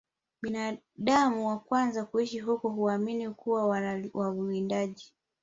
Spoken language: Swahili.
Binadamu wa kwanza kuishi huko huaminiwa kuwa wawindaji